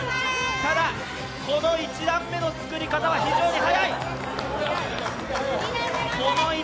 この１段目の作り方は非常に速い。